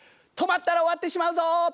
「止まったら終わってしまうぞ！」。